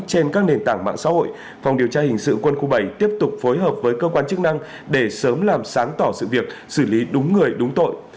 trên các nền tảng mạng xã hội phòng điều tra hình sự quân khu bảy tiếp tục phối hợp với cơ quan chức năng để sớm làm sáng tỏ sự việc xử lý đúng người đúng tội